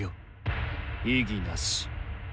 異議なし。